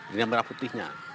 ini yang merah putihnya